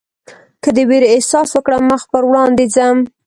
که د وېرې احساس وکړم مخ پر وړاندې ځم.